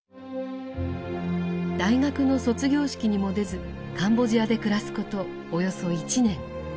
大学の卒業式にも出ずカンボジアで暮らすことおよそ１年。